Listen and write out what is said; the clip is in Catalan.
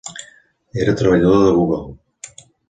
Era treballador de Google.